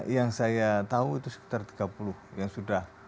yang saya tahu itu sekitar tiga puluh yang sudah